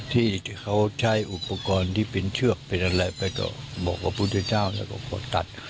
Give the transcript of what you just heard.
ที่เขาใช้อุปกรณ์ที่เป็นเชือกเป็นอะไรไปก็บอกพระพุทธเจ้าแล้วก็ขอตัด